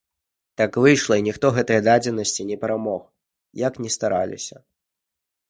Так выйшла, і ніхто гэтае дадзенасці не перамог, як ні стараліся.